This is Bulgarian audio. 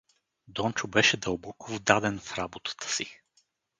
Дончо беше дълбоко вдаден в работата си.